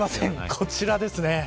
こちらですね。